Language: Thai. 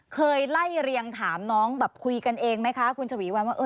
เคยไล่เรียงถามน้องแบบคุยกันเองไหมคะคุณฉวีวันว่า